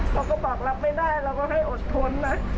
เขาก็บอกรับไม่ได้เราก็ให้อดทนนะ